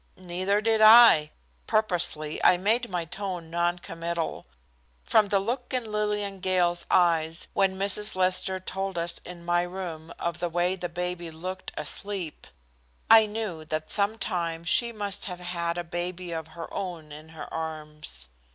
"Neither did I." Purposely I made my tone non committal. From the look in Lillian Gale's eyes when Mrs. Lester told us in my room of the way the baby looked asleep, I knew that some time she must have had a baby of her own in her arms.